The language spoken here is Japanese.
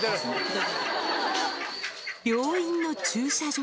病院の駐車場。